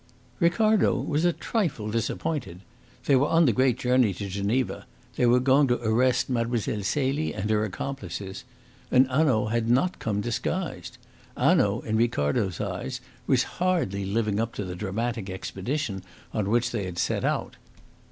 Ricardo was a trifle disappointed. They were on the great journey to Geneva. They were going to arrest Mlle. Celie and her accomplices. And Hanaud had not come disguised. Hanaud, in Ricardo's eyes, was hardly living up to the dramatic expedition on which they had set out.